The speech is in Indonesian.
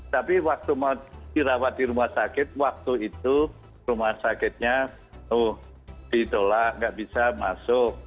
tapi waktu mau dirawat di rumah sakit waktu itu rumah sakitnya ditolak nggak bisa masuk